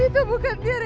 itu bukan tiara